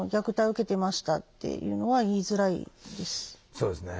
そうですね。